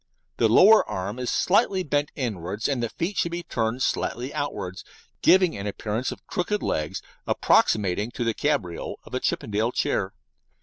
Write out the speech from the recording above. The lower arm is slightly bent inwards, and the feet should be turned slightly outwards, giving an appearance of "crooked" legs approximating to the cabriole of a Chippendale chair.